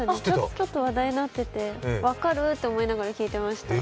ちょっと話題になってて分かると思いながら聴いてました。